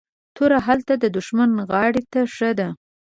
توره هلته ددښمن غاړي ته ښه ده